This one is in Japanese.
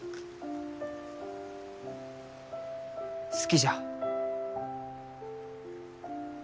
好きじゃ。